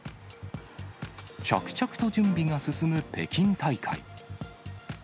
着々と準備が進む北京大会。